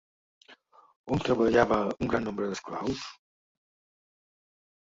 On treballava un gran nombre d'esclaus?